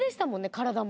体も。